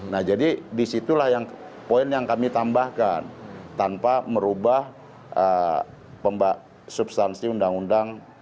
nah jadi disitulah yang poin yang kami tambahkan tanpa merubah substansi undang undang